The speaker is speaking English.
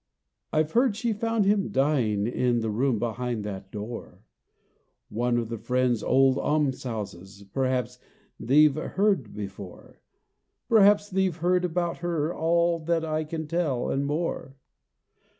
"I 've heard she found him dying, in The room behind that door, (One of the Friends' old almshouses, Perhaps thee 've heard before;) Perhaps thee 've heard about her all That I can tell, and more.